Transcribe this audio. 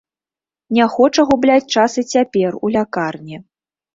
Не хоча губляць час і цяпер, у лякарні.